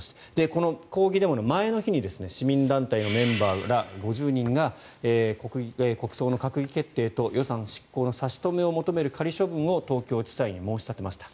この抗議デモの前の日に市民団体のメンバーら５０人が国葬の閣議決定と予算執行の差し止めを求める仮処分を東京地裁に申し立てました。